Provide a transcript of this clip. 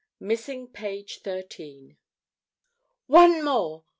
MISSING: PAGE THIRTEEN "One more!